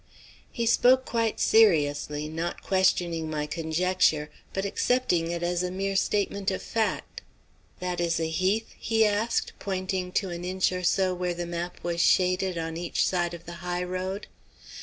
He spoke quite seriously, not questioning my conjecture, but accepting it as a mere statement of fact. "That is a heath?" he asked, pointing to an inch or so where the map was shaded on each side of the high road.